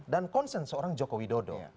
dan konsen seorang jokowi dodo